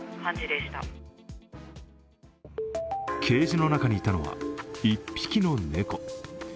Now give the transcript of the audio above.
ケージの中にいたのは１匹の猫。